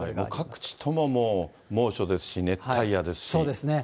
各地とももう、猛暑ですし、そうですね。